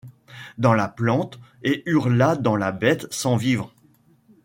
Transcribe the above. Dans la plante, et hurla dans la bête, sans vivre.